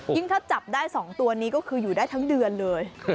ถ้าจับได้๒ตัวนี้ก็คืออยู่ได้ทั้งเดือนเลย